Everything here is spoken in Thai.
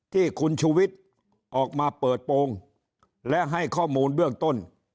ที่คุณชูวิทย์ออกมาเปิดโปรงและให้ข้อมูลเบื้องต้น